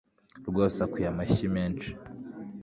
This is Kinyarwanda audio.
rwose akwiye amashyi menshi.